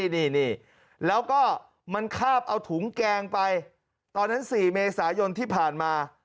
นี่แล้วก็มันคาบเอาถุงแกงไปตอนนั้น๔เมษายนที่ผ่านมา